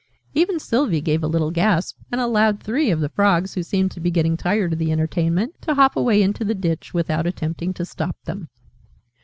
Even Sylvie gave a little gasp, and allowed three of the Frogs, who seemed to be getting tired of the entertainment, to hop away into the ditch, without attempting to stop them.